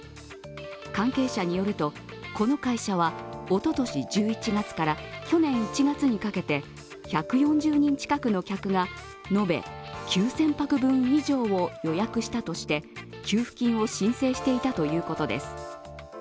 関係者によると、この会社はおととし１１月から去年１月にかけて１４０人近くの客が延べ９０００泊分以上を予約したとして、給付金を申請していたということです。